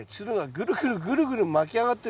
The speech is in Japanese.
ぐるぐるぐるぐる巻き上がってですね